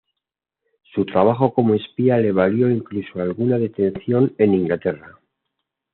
Su trabajo como espía le valió incluso alguna detención en Inglaterra.